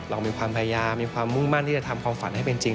เรามีความพยายามมีความมุ่งมั่นที่จะทำความฝันให้เป็นจริง